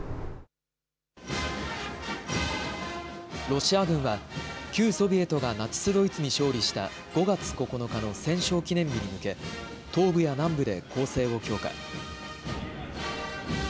ロシア軍は、旧ソビエトがナチス・ドイツに勝利した５月９日の戦勝記念日に向け、東部や南部で攻勢を強化。